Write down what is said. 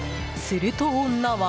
すると、女は。